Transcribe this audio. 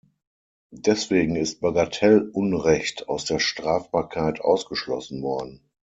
Deswegen ist Bagatellunrecht aus der Strafbarkeit ausgeschlossen worden.